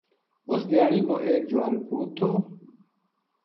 اس دھیانی کو ایک جوان پوت تھو